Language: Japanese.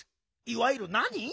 いわゆるなに？